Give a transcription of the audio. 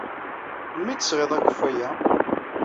Melmi ay d-tesɣid akeffay-a?